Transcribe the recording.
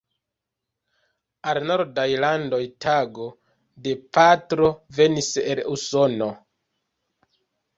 Al Nordaj landoj tago de patro venis el Usono.